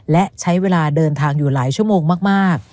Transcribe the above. และใช้เวลาเดินทางอยู่หลายชั่วโมงมาก